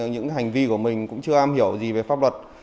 những hành vi của mình cũng chưa am hiểu gì về pháp luật